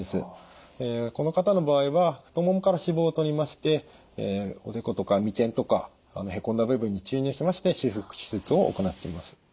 この方の場合は太ももから脂肪をとりましておでことか眉間とかへこんだ部分に注入しまして修復手術を行っています。